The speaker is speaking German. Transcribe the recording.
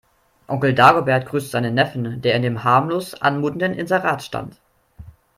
Onkel Dagobert grüßt seinen Neffen, der in dem harmlos anmutenden Inserat stand.